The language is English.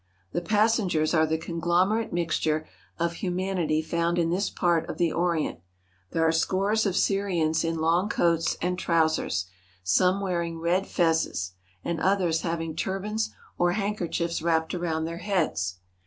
The passengers are the conglomerate mixture of human ity found in this part of the Orient. There are scores of Syrians in long coats and trousers, some wearing red fezzes, and others having turbans or handkerchiefs 247 THE HOLY LAND AND SYRIA wrapped around their heads.